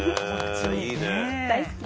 大好き。